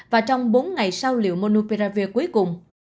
và trong bốn ngày sau liều monopiravir cuối cùng